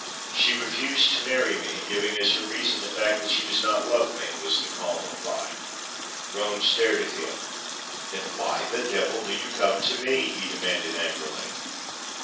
"She refused to marry me, giving as her reason the fact that she does not love me," was the calm reply. Roane stared at him. "Then why the devil do you come to me?" he demanded, angrily.